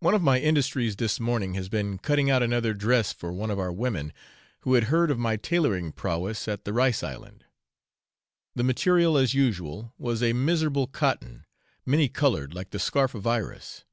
One of my industries this morning has been cutting out another dress for one of our women, who had heard of my tailoring prowess at the rice island. The material, as usual, was a miserable cotton, many coloured like the scarf of Iris.